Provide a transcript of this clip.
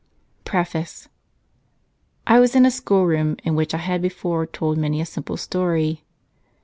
Jlteface 1WAS in a schoolroom in which I had before told many a simple story.